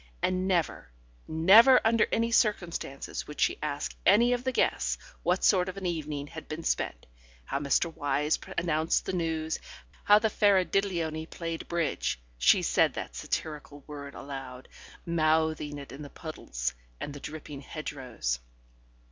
And never never under any circumstances would she ask any of the guests what sort of an evening had been spent, how Mr. Wyse announced the news, and how the Faradiddleony played bridge. (She said that satirical word aloud, mouthing it to the puddles and the dripping hedgerows.)